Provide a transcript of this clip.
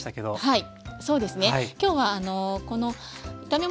はい。